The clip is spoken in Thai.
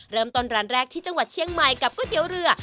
เริ่มต้นร้านแรกที่จังหวัดเชียงใหม่กับก๋วยเตี๋ยวเรือ